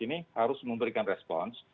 ini harus memberikan respons